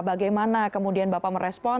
bagaimana kemudian bapak merespon